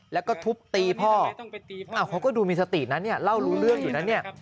แล้วก็ทุบตีพ่อเขาก็ดูมีสตินะเนี่ยเล่ารู้เรื่องอยู่นะเนี่ย